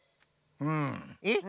うん。えっ？